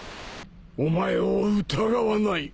お前を疑わない。